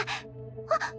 あっ。